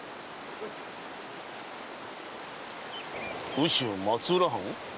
羽州松浦藩？